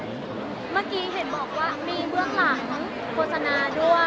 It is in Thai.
เมื่อกี้เห็นบอกว่ามีเบื้องหลังโฆษณาด้วย